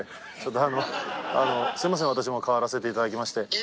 すいません私も代わらせていただきまして。